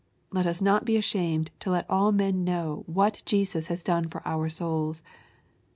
Let us not be ashamed to let all men know what Jesus has done far our souls.